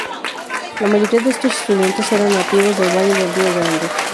La mayoría de estos estudiantes eran nativos del Valle del Río Grande.